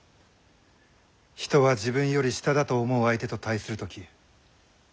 人は自分より下だと思う相手と対する時本性が現れる。